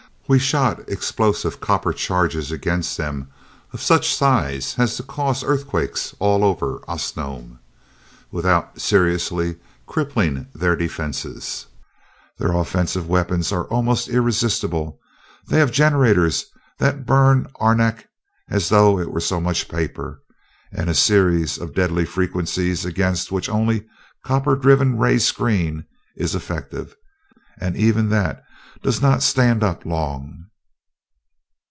We shot explosive copper charges against them of such size as to cause earthquakes all over Osnome, without seriously crippling their defenses. Their offensive weapons are almost irresistible they have generators that burn arenak as though it were so much paper, and a series of deadly frequencies against which only a copper driven ray screen is effective, and even that does not stand up long."